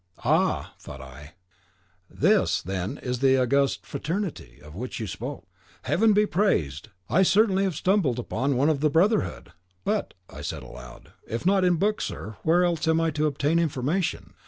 "Aha!" thought I, "this, then, is 'the august fraternity' of which you spoke. Heaven be praised! I certainly have stumbled on one of the brotherhood." "But," I said aloud, "if not in books, sir, where else am I to obtain information?